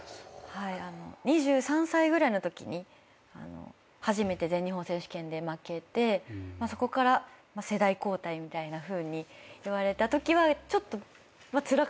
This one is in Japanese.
２３歳ぐらいのときに初めて全日本選手権で負けてそこから世代交代みたいなふうに言われたときはちょっとつらかったですね。